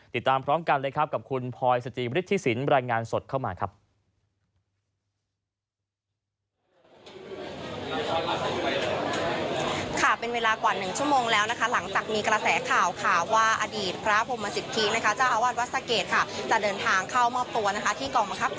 ติดตามพร้อมกันเลยครับกับคุณพลอยสจิบฤทธิสินรายงานสดเข้ามาครับ